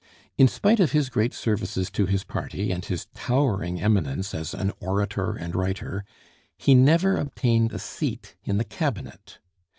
In spite of his great services to his party and his towering eminence as an orator and writer, he never obtained a seat in the Cabinet.